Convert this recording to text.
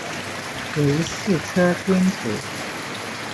为四车编组。